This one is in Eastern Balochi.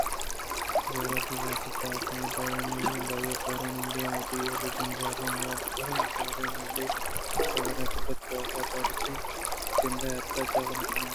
زوراک ءُواک ءُکاردار آئی ءِ پہ ایمانداری کارانی دیمءَ وتی اڑ ءُجنجالاں الّم وڑے نہ وڑے کار اَنت بلئے کاف ءِپہ وتی جند ءِ حاترا جاور نہ گیگ بوہان اِت اَنت